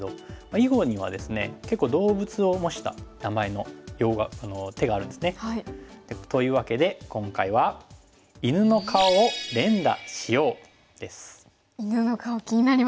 囲碁にはですね結構動物を模した名前の用語手があるんですね。というわけで今回は犬の顔気になりますね。